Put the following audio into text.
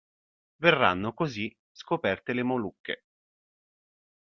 Verranno così scoperte le Molucche.